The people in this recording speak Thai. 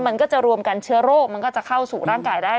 มันก็จะรวมกันเชื้อโรคมันก็จะเข้าสู่ร่างกายได้